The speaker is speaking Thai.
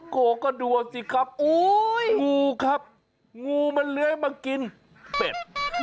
โกก็ดูสิครับงูครับงูมันเลื้อยมากินเป็ด